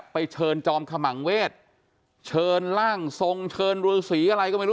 ไปเชิญจอมขมังเวทเชิญร่างทรงเชิญรือสีอะไรก็ไม่รู้